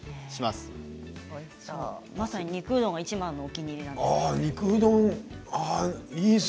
まさに肉うどんがいちばんのお気に入りだそうです。